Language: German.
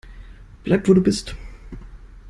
Bleib, wo du bist!